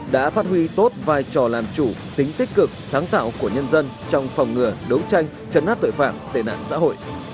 đã phát huy tốt vai trò làm chủ tính tích cực sáng tạo của nhân dân trong phòng ngừa đấu tranh chấn áp tội phạm tệ nạn xã hội